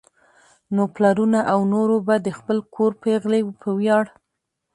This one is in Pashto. نو پلرونو او نورو به د خپل کور پېغلې په وياړ